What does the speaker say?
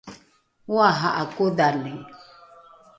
oaha’a kodhali